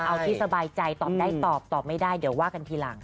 เอาที่สบายใจตอบได้ตอบตอบไม่ได้เดี๋ยวว่ากันทีหลัง